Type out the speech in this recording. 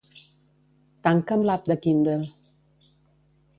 Tanca'm l'app de Kindle.